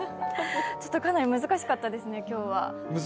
かなり難しかったですね、今日は。